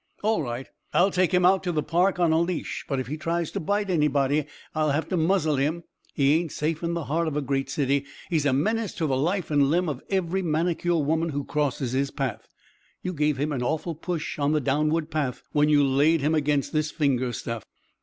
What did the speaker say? "All right! I'll take him out in the park on a leash, but if he tries to bite anybody I'll have to muzzle him. He ain't safe in the heart of a great city; he's a menace to the life and limb of every manicure woman who crosses his path. You gave him an awful push on the downward path when you laid him against this finger stuff."